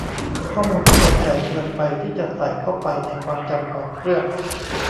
ข้อมูลทั้งหมดใหญ่เกินไปที่จะใส่เข้าไปในความจำของเครื่อง